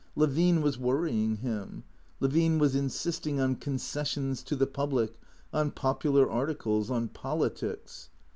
Levine was worrying him. Levine was insisting on concessions to the public, on popular articles, on politics.